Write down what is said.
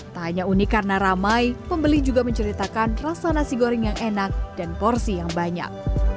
tak hanya unik karena ramai pembeli juga menceritakan rasa nasi goreng yang enak dan porsi yang banyak